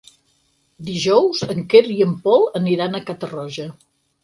Dijous en Quer i en Pol aniran a Catarroja.